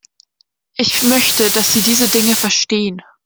Ich möchte, dass Sie diese Dinge verstehen.